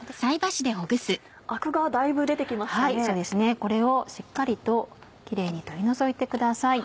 これをしっかりとキレイに取り除いてください。